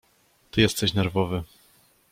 Ty jesteś nerwowy.